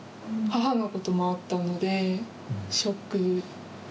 母のこともあったので、ショック。